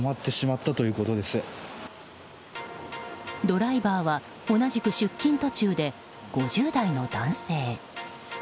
ドライバーは同じく出勤途中で５０代の男性。